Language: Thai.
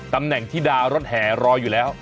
ตำแหน่งธิดารถแห่รออยู่แล้ว